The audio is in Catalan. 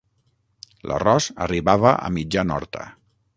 L'arròs arribava a mitjan horta.